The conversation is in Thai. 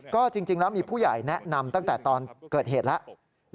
ก็จริงแล้วมีผู้ใหญ่แนะนำตั้งแต่ตอนเกิดเหตุแล้ว